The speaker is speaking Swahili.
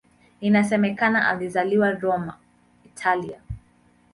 Inasemekana alizaliwa Roma, Italia.